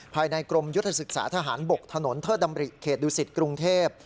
ภายในกรมยุทธศึกษาทหารบกถนนเทิดดำริเขตดุสิตกรุงเทพ